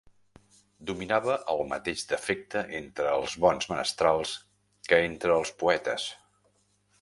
Dominava el mateix defecte entre els bons menestrals que entre els poetes;